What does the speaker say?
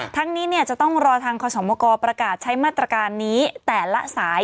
ทั้งนี้จะต้องรอทางคสมกรประกาศใช้มาตรการนี้แต่ละสาย